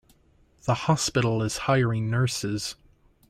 The hospital is hiring nurses.